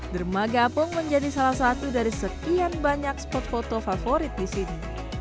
dermaga apung menjadi salah satu dari sekian banyak spot foto favorit di sini